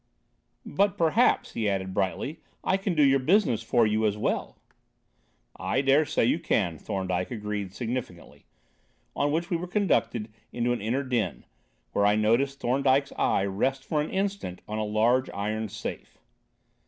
"But perhaps," he added brightly, "I can do your business for you as well." "I daresay you can," Thorndyke agreed significantly; on which we were conducted into an inner den, where I noticed Thorndyke's eye rest for an instant on a large iron safe.